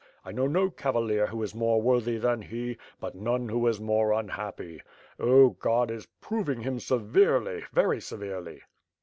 I know no cavalier who is more worthy than he, but none who is more unhappy. Oh, God is proving him severely, very severely."